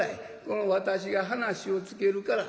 この私が話をつけるから」。